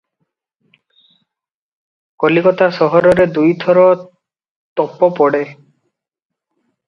କଲିକତା ସହରରେ ଦୁଇ ଥର ତୋପ ପଡ଼େ ।